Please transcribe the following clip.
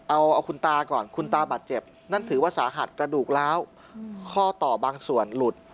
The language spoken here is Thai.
เอาคุณตาก่อนคุณตาบาดเจ็บนั่นถือว่าสาหัสกระดูกล้าวข้อต่อบางส่วนหลุด